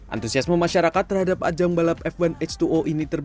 antusiasme masyarakat terhadap ajang balap f satu h dua o ini